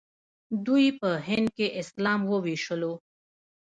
دوی په هند کې اسلام وويشلو.